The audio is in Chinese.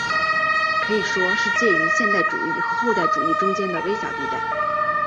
可以说是介于现代主义和后现代主义中间的微小地带。